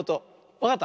わかった？